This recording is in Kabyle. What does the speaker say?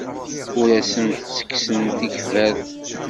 Ur asen-ttekkseɣ tikbert.